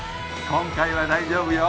今回は大丈夫よ。